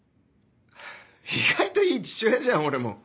意外といい父親じゃん俺も。